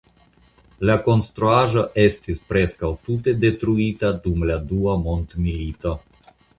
La konstruaĵo estis preskaŭ tute detruita dum la Dua Mondmilito.